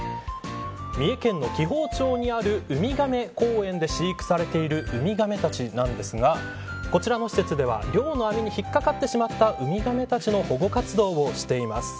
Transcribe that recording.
三重県の紀宝町にあるウミガメ公園で飼育されているウミガメたちなんですがこちらの施設では漁の網に引っかかってしまったウミガメたちの保護活動をしています。